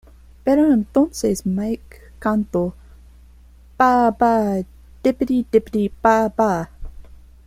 Pero entonces Mike cantó "ba-ba-dippity-dippity-ba-ba".